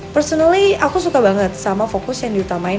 personally aku suka banget sama fokus yang diutamain